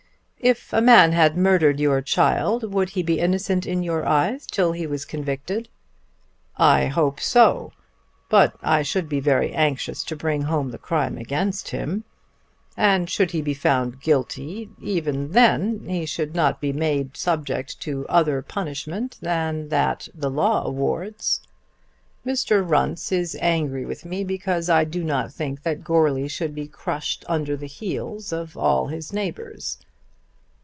"If a man had murdered your child, would he be innocent in your eyes till he was convicted?" "I hope so; but I should be very anxious to bring home the crime against him. And should he be found guilty even then he should not be made subject to other punishment than that the law awards. Mr. Runce is angry with me because I do not think that Goarly should be crushed under the heels of all his neighbours.